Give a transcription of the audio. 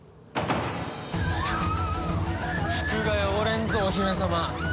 服が汚れんぞお姫様。